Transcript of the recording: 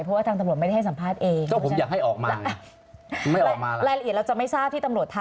เพราะทางตำรวจไม่ได้ให้สัมภาษณ์เอง